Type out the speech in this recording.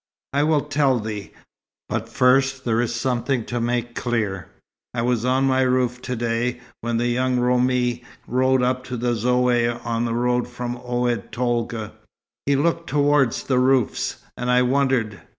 "I will tell thee. But first there is something to make clear. I was on my roof to day, when a young Roumi rode up to the Zaouïa on the road from Oued Tolga. He looked towards the roofs, and I wondered.